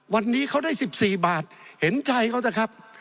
วันนี้เขาได้๑๔บาทเห็นใจเขานะครับ